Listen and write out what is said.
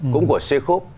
cũng của sê khúc